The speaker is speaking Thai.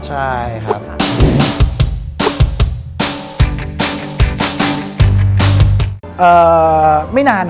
ใช่ครับยังไม่นาน